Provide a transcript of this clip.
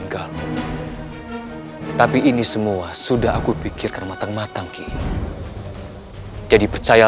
hatiku sudah terlanjur sakit